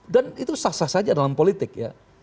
itu sah sah saja dalam politik ya